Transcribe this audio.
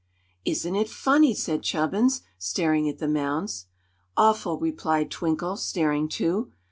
"Isn't it funny!" said Chubbins, staring at the mounds. "Awful," replied Twinkle, staring too.